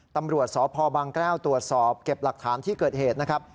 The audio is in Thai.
ตำรวจสพบางแก้วตรวจสอบเก็บหลักฐานที่เกิดเหตุนะครับ